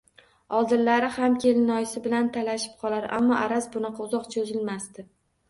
Oldinlari ham kelinoyisi bilan talashib qolar, ammo araz bunaqa uzoq cho`zilmasdi